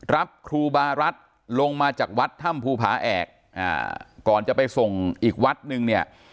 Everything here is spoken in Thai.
รับครูบารัฐลงมาจากวัดถ้ำภูผาแอกก่อนจะไปส่งอีกวัดนึงเนี่ย